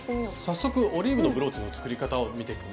早速「オリーブのブローチ」の作り方を見てみましょう。